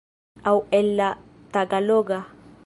Aŭ el la tagaloga.